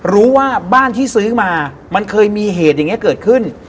รู้ว่าบ้านที่ซื้อมามันเคยมีเหตุอย่างนี้เกิดขึ้น